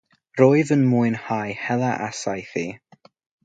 Roedd yn mwynhau hela a saethu.